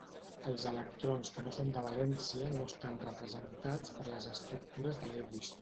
Els electrons que no són de valència no estan representats per les estructures de Lewis.